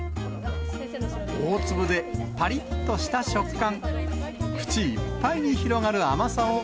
大粒でぱりっとした食感。